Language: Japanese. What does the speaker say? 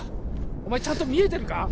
お前ちゃんと見えてるか？